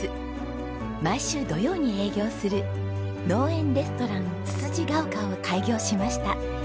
毎週土曜に営業する農園レストランつつじヶ丘を開業しました。